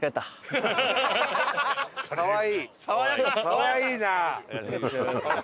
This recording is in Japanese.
かわいい！